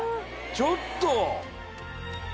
ちょっと。